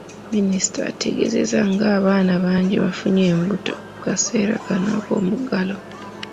Minisita ategeezezza nti abaana bangi bafunye embuto mu kaseera kano ak’omuggalo.